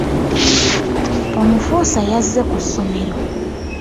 Omufuusa yazze ku ssomero.